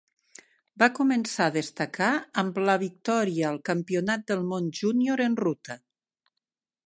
Va començar a destacar amb la victòria al Campionat del món júnior en ruta.